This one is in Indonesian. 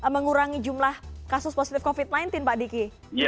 mengurangi jumlah kasus positif covid sembilan belas pak diki